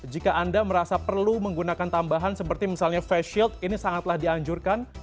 jika anda merasa perlu menggunakan tambahan seperti misalnya face shield ini sangatlah dianjurkan